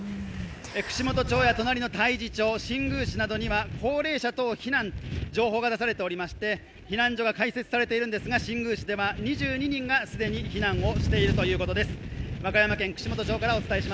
串本町や隣の太地町、新宮市などには高齢者等避難情報が出されていまして避難所が開設されていますが、新宮市では２２人が既に避難をしているということです。